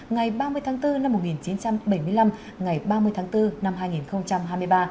ngày ba mươi tháng bốn năm một nghìn chín trăm bảy mươi năm ngày ba mươi tháng bốn năm hai nghìn hai mươi ba